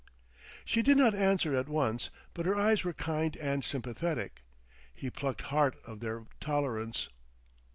She did not answer at once; but her eyes were kind and sympathetic. He plucked heart of their tolerance.